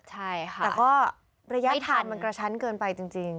แต่ก็ระยะถาดมันกระชั้นเกินไปจริง